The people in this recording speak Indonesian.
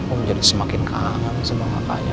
om jadi semakin kangen semangat kakaknya